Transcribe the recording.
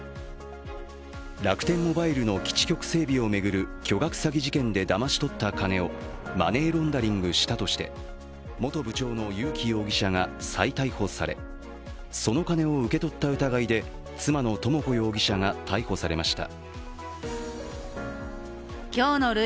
楽天モバイルの基地局整備を巡る巨額詐欺事件でだまし取った金をマネーロンダリングしたとして元部長の友紀容疑者が再逮捕され、その金を受け取った疑いで妻の智子容疑者が逮捕されました。